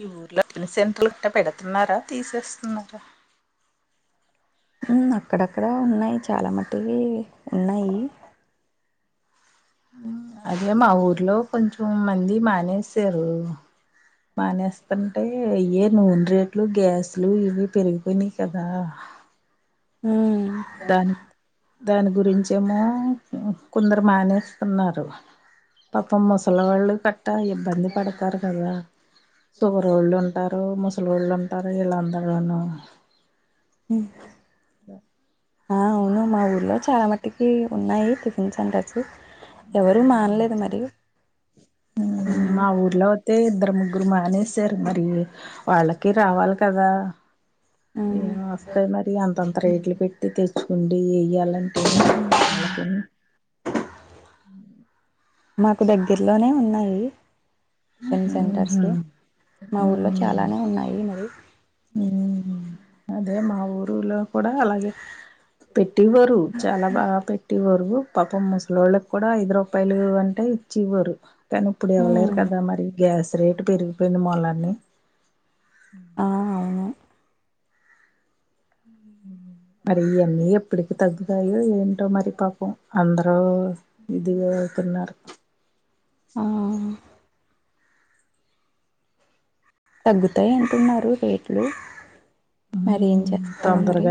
ఈ ఊరిలో కొని సెంటర్ కి తప్పేట తిన్నారా తీసేస్తున్నారా ఉ అక్కడ అక్కడా ఉన్నాయి చాలా మట్టువి ఉన్నాయి ఉ అదే మా ఊర్లో కొంచెం మంది మానేసారు మానేస్తంటే ఇయే నూనె రేట్లు గ్యాస్లు ఇవి పెరిగిపోయినాయి కదా ఉ దాని దాని గురించి ఏమో ఉ కొందరు మానేస్తున్నారు పాపం ముసలి వాళ్ళు కట్ట ఇబ్బంది పడతారు కదా సుగర్ ఒళ్ళు ఉంటారు ముసలి వాళ్ళు ఉంటారు వీలాందరు అవును ఉ ఆ అవును మా ఊర్లో చాలా మట్టుకి ఉన్నాయి టిఫిన్ సెంటర్స్ ఎవరు మానలేదు మరి ఉమ్ మా ఊర్లో అయితే ఇద్దరు ముగ్ గురు మానేశారు మరి వాళ్ళకి రావాలి కదా ఉమ్. ఏం వస్తాయి మరి అంతంత రేట్లు పెట్టి తెచ్చుకుండి వెయ్యాలంటే వాళ్ళకి మాకు దగ్గరలోనే ఉన్నాయి టిఫెన్ సెంటర్స్ ఉహు మా ఊరు ఉమ్ చాలా ఉ ఉన్నాయి మరి ఉమ్ అదే మా ఊరులో కూడా అలాగే పెట్టి ఇవ్వరు చాలా బాగా పెట్టి ఇవ్వరు పాపం ముసలోళ్ళు కూడా ఐదు రూపాయలు అంటే ఇచ్చి ఇవ్వరు కానీ ఇప్పుడు ఇవ్వలేరు ఉమ్ కదా మరి గ్యాస్ రేటు పెరిగిపోయింది మొన్నన్నే హ ఆ అవును మరి ఇయ్యన్ని ఎప్పటికి తగ్గుతాయో ఏంటో మరి పాపం అందరూ ఇదిగ అవుతున్నారు ఆ తగ్గుతాయి అంటున్నారు రేట్లు మరి ఏం చేస్తారా మరి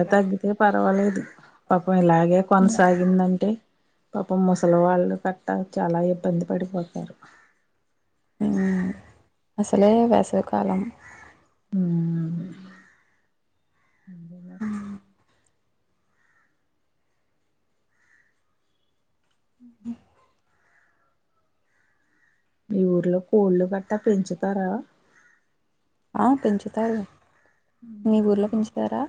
రవాలేదు పబ్ ఇలాగే కొనసాగిందంటే పాపం ముసలి వాళ్ళు గట్టా చాలా ఇబ్బంది పడిపోతారు ఊ అసలే వేసవి కాలం ఊ అంతే మరి మీ ఊర్లో కోళ్ళు గట్టా పెంచుతారా ఆ పెంచుతారు మీ ఊర్లో పెంచుతారా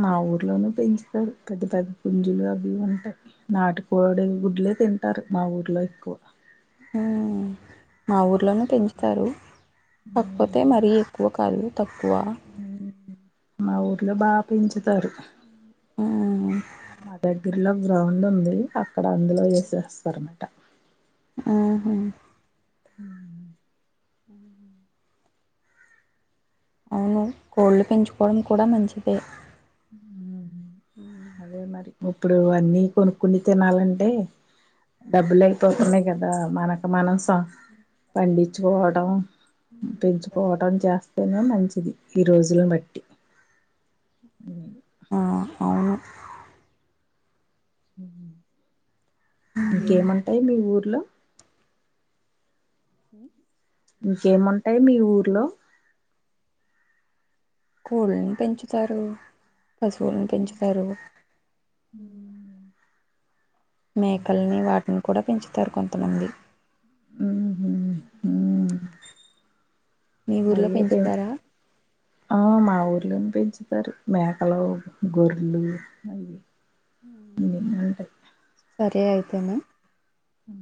మా ఊర్లోను పెంచుతాడు పెద్ద పెద్ద పుంజులు అవి ఉంటాయి నాటుకోడి గుడ్లే తిన్ అంటారు మా ఊర్లో ఎక్కువ ఆ మా ఊర్లోను పెంచుతారు కాకపోతే మరీ ఎక్కువ కాదు తక్కువ. మా ఊర్లో బా పెంచ తరు హ్మ్ గిర్లా గ్రౌండ్ ఉంది అక్కడ అందులో చేసేస్తరు అనమాట ఉహ్మ హ్మ్ హ్మ్ అవును కోళ్లు పెంచుకోడం కూడ మంచిదే హ్మ్ అదే మరి ఇప్పుడు అన్నీ కొనుకుని తినాలంటే డబ్బులు అయిపోతున్నాయి కదా మనకు మనం పండించుకోవడం పెంచుకోవటం చేస్త టేనే మంచిది ఈరోజులను బట్టి ఆ అవును హ్మ్ ఇంకేముంటయి మీ ఊర్లో ఇంకేముంటయి మీ ఊర్లో కోళ్లను పెంచుతారు పశువులని పెంచుతారు ఊ మేకల్ని వాట్ టిని కూడా పెంచుతారు కొంతమంది ఉహు మీ ఊర్లో అయ్యేపి పెంచుతారా? ఆ మా ఊర్ లను పెంచుతారు మేకలు గొర్లు అవి [inaudible] ఉంటై సరే అయితేనే ఊ